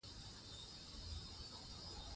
د اساسي قانون درناوی د سیاسي ثبات بنسټ دی